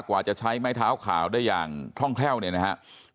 กว่าจะใช้ไม้เท้าขาวได้อย่างคล่องแคล่วเนี่ยนะครับ